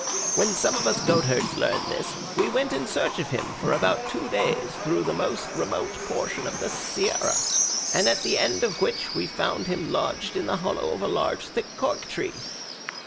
When some of us goatherds learned this we went in search of him for about two days through the most remote portion of this sierra, at the end of which we found him lodged in the hollow of a large thick cork tree.